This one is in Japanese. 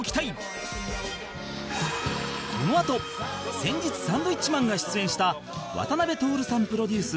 このあと先日サンドウィッチマンが出演した渡辺徹さんプロデュース